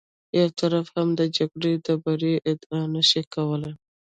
یو طرف هم د جګړې د بري ادعا نه شي کولی.